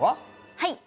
はい！